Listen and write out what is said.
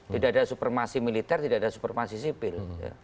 tidak ada supermasi militer tidak ada supermasi sipil